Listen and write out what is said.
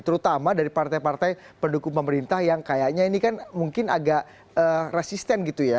terutama dari partai partai pendukung pemerintah yang kayaknya ini kan mungkin agak resisten gitu ya